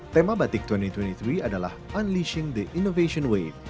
tema batik dua ribu dua puluh tiga adalah unleashing the innovation wave